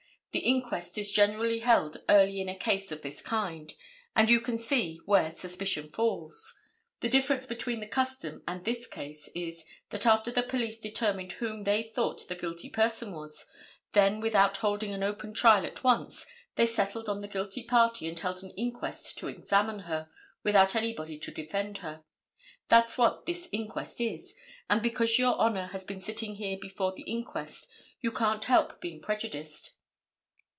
The inquest is generally held early in a case of this kind, and you can see where suspicion falls. The difference between the custom and this case is, that after the police determined whom they thought the guilty person was, then, without holding an open trial at once, they settled on the guilty party and held an inquest to examine her, without anybody to defend her. That's what this inquest is, and because your Honor has been sitting here before the inquest you can't help being prejudiced.